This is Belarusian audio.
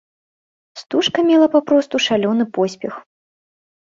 Стужка мела папросту шалёны поспех.